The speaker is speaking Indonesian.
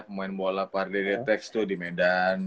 pemain bola pardere tex tuh di medan